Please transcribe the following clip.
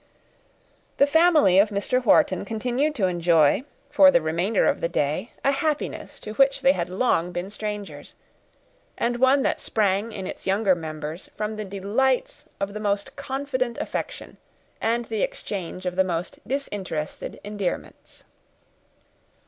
The family of Mr. Wharton continued to enjoy, for the remainder of the day, a happiness to which they had long been strangers; and one that sprang, in its younger members, from the delights of the most confident affection, and the exchange of the most disinterested endearments.